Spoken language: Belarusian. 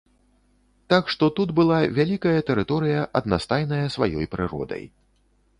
Так што тут была вялікая тэрыторыя, аднастайная сваёй прыродай.